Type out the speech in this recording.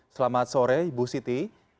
selamat sore ibu siti